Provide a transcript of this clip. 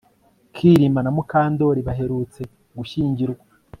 Kirima na Mukandoli baherutse gushyingirwa